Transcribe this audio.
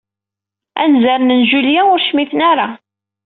Anzaren n Julia ur cmiten ara.